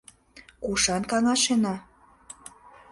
Кушан каҥашена?